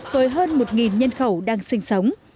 với hơn một nhân khẩu đang sinh sống